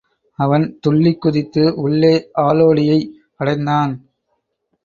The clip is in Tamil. அவன் துள்ளிக் குதித்து உள்ளே ஆளோடியை அடைந்தான்.